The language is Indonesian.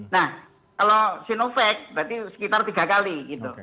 nah kalau sinovac berarti sekitar tiga kali gitu